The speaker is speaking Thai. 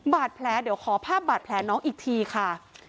บาดแผลเดี๋ยวขอภาพบาดแผลน้องอีกทีค่ะ